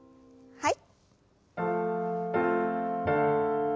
はい。